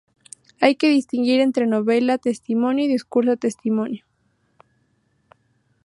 Hay que distinguir entre novela testimonio y discurso testimonio.